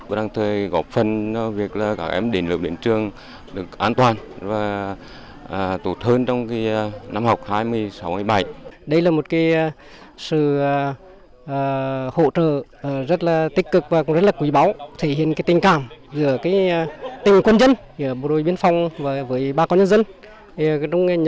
và đăng thời góp phần cho việc là các em đến lớp đến trường được an toàn